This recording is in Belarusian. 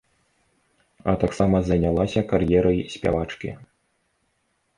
А таксама занялася кар'ерай спявачкі.